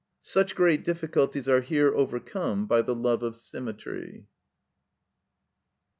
Such great difficulties are here overcome by the love of symmetry.